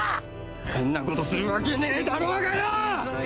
そんなことするわけねえだろうがよ！